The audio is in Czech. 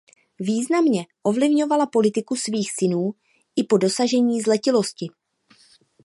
Významně ovlivňovala politiku svých synů i po dosažení zletilosti.